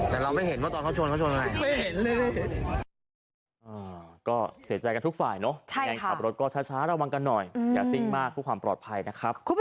แต่เราไม่เห็นว่าตอนเขาชนเขาชนอะไร